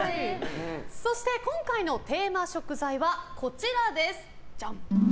そして今回のテーマ食材はこちらです。